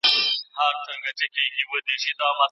کورنيو توليداتو د بهرنيو توکو مخه ونيوله.